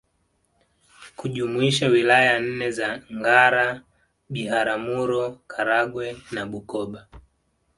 kujumuisha Wilaya nne za Ngara Biharamuro Karagwe na Bukoba